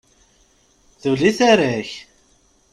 Tuli tara-k!